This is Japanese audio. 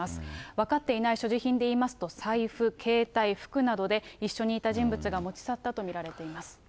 分かっていない所持品で言いますと、財布、携帯、服などで、一緒にいた人物が持ち去ったと見られています。